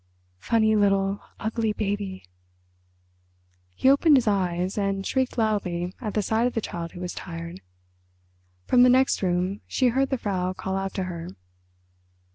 Funny, little, ugly baby." He opened his eyes, and shrieked loudly at the sight of the Child Who Was Tired. From the next room she heard the Frau call out to her.